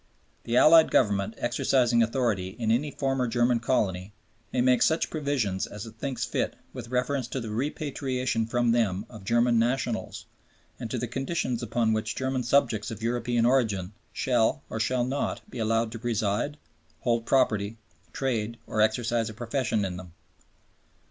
The Allied Government exercising authority in any former German colony "may make such provisions as it thinks fit with reference to the repatriation from them of German nationals and to the conditions upon which German subjects of European origin shall, or shall not, be allowed to reside, hold property, trade or exercise a profession in them."